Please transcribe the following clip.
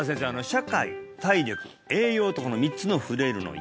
社会体力栄養とこの３つのフレイルの矢